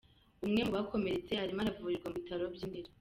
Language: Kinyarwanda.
Umwe mu bakomeretse arimo aravurirwa mu bitaro by’i Ndera